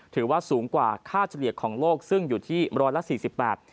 ถือว่าสูงกว่าค่าเฉลี่ยของโลกซึ่งอยู่ที่ร้อยละสี่สิบแปด